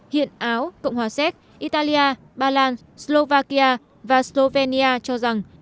hiện áo cộng hòa xét italia bà lan slovakia và slovenia cho rằng